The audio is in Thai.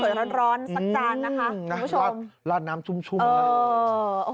ข้าวสวยร้อนร้อนสักจานนะคะคุณผู้ชมลาดน้ำชุ่มชุ่มเออ